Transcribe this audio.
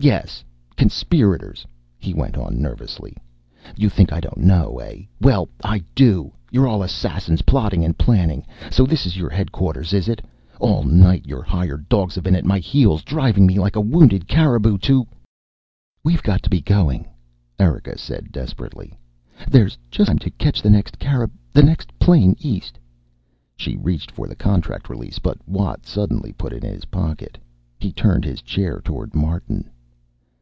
"Yes, conspirators," he went on nervously. "You think I don't know, eh? Well, I do. You're all assassins, plotting and planning. So this is your headquarters, is it? All night your hired dogs have been at my heels, driving me like a wounded caribou to " "We've got to be going," Erika said desperately. "There's just time to catch the next carib the next plane east." She reached for the contract release, but Watt suddenly put it in his pocket. He turned his chair toward Martin.